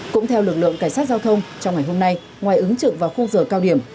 cũng theo lực lượng cảnh sát giao thông trong ngày hôm nay ngoài ứng trực vào khung giờ cao điểm